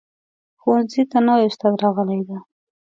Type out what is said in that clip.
ښوونځي ته نوي استاد راغلی ده